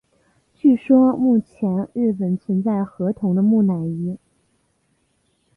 据说目前日本存有河童的木乃伊。